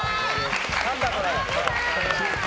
何だこれ？